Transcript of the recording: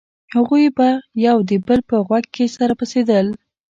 هغوى به يو د بل په غوږ کښې سره پسېدل.